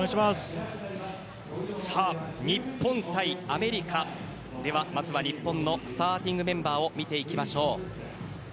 さあ、日本対アメリカまずは日本のスターティングメンバーを見ていきましょう。